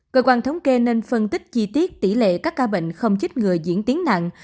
cơ quan thống kê nên phân tích chi tiết tỷ lệ các ca bệnh không chích ngừa diễn tiến nặng